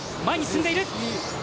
前に進んでいる！